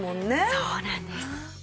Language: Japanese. そうなんです。